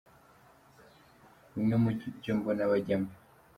Bimwe mu byo mbona byajyamo :.